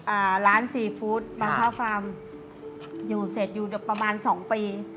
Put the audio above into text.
อ่าร้านซีฟู้ดบางพระฟาร์มอยู่เสร็จอยู่ประมาณสองปี